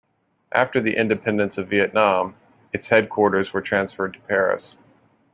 After the independence of Vietnam, its headquarters were transferred to Paris.